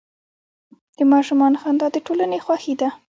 د ماشومانو خندا د ټولنې خوښي ده.